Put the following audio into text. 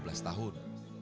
berusia dua belas tahun